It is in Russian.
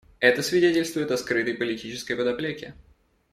Это свидетельствует о скрытой политической подоплеке.